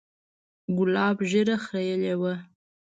ګلاب ږيره خرييلې وه.